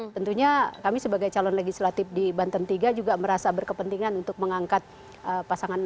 tentunya kami sebagai calon legislatif di banten tiga juga merasa berkepentingan untuk mengangkat pasangan nomor dua